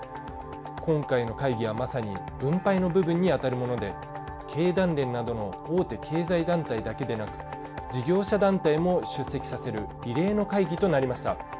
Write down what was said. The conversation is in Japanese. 今回の会議はまさに分配の部分に当たるもので、経団連などの大手経済団体だけでなく事業者団体も出席させる異例の会議となりました。